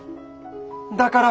だから。